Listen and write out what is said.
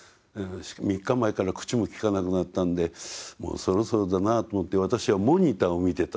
「３日前から口もきかなくなったんでもうそろそろだなと思って私はモニターを見てた」って。